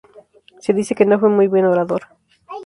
Se dice que no fue muy buen orador.